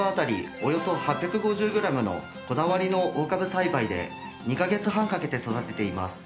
およそ８５０グラムのこだわりの大株栽培で２カ月半かけて育てています。